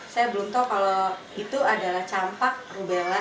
saya belum tahu kalau itu adalah campak rubella